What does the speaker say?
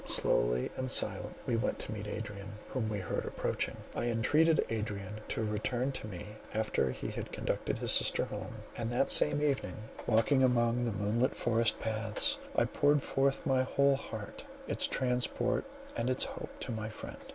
Slowly and silently we went to meet Adrian, whom we heard approaching. I entreated Adrian to return to me after he had conducted his sister home. And that same evening, walking among the moon lit forest paths, I poured forth my whole heart, its transport and its hope, to my friend.